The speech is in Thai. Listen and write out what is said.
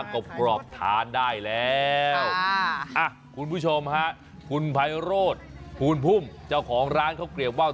กายแล้วคนผู้ชมฮะพุ่นพุ่มเจ้าของร้านเขาเกลียบว่าว